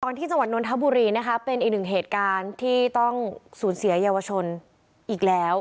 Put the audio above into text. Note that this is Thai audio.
ที่จังหวัดนทบุรีนะคะเป็นอีกหนึ่งเหตุการณ์ที่ต้องสูญเสียเยาวชนอีกแล้ว